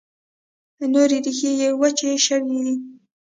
د نور، ریښې یې وچي شوي دي